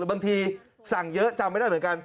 บางทีสั่งเยอะจำไม่ได้เหมือนกัน